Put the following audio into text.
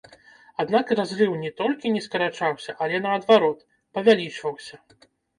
Аднак разрыў не толькі не скарачаўся, але, наадварот, павялічваўся.